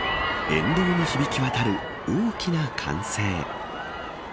沿道に響き渡る大きな歓声。